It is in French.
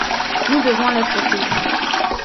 Nous devons les protéger.